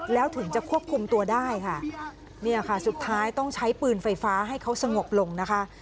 แล้วถึงจะควบคุมตัวได้ค่ะเนี่ยค่ะสุดท้ายต้องใช้ปืนไฟฟ้าให้เขาสงบลงนะคะ